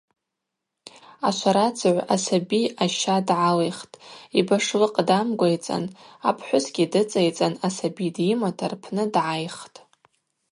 Ашварацыгӏв асаби аща дгӏалихтӏ, йбашлыкъ дамгвайцӏан, апхӏвысгьи дыцӏайцӏан асаби дйымата рпны дгӏайхтӏ.